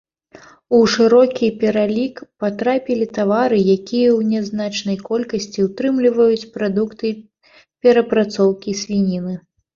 У шырокі пералік патрапілі тавары, якія ў нязначнай колькасці ўтрымліваюць прадукты перапрацоўкі свініны.